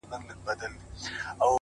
سپوږمۍ خو مياشت كي څو ورځي وي!